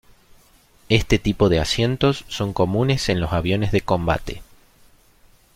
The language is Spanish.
Este tipo de asientos son comunes en los aviones de combate.